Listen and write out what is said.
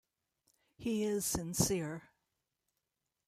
He is sincere.